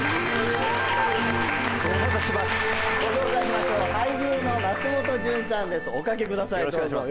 ご紹介しましょう俳優の松本潤さんです